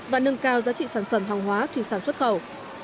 và nâng cao giá trị sản phẩm hòng hóa khi sản xuất khẩu